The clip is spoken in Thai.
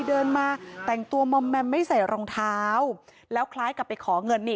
เดินมาแต่งตัวมอมแมมไม่ใส่รองเท้าแล้วคล้ายกับไปขอเงินนี่